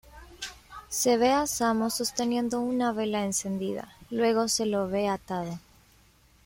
Se ve a Samo sosteniendo una vela encendida, luego se lo ve atado.